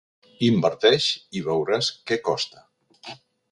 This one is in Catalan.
Inverteix i veuràs que costa.